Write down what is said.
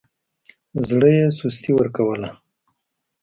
زړه يې سستي ورکوله.